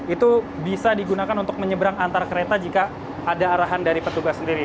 itu bisa digunakan untuk menyeberang antar kereta jika ada arahan dari petugas sendiri